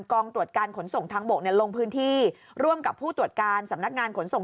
กองตรวจการขนส่งทางบกลงพื้นที่ร่วมกับผู้ตรวจการสำนักงานขนส่ง